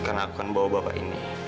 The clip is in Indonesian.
karena aku akan bawa bapak ini